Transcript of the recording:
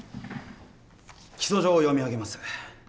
起訴状を読み上げます。